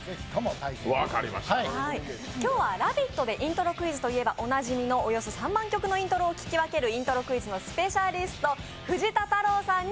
今日は「ラヴィット！」でイントロクイズといえば、おなじみの３万曲のイントロを聞き分ける、イントロクイズのスペシャリスト、藤田太郎さんに